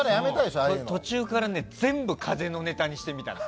途中から全部風邪のネタにしたの。